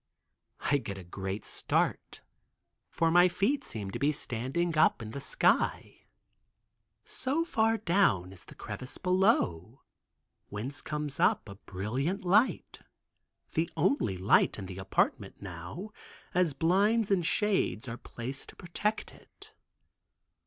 I get a great start, for my feet seem to be standing up in the sky, so far down is the crevasse below, whence comes up a brilliant glow, the only light in the apartment now, as blinds and shades are placed to protect it.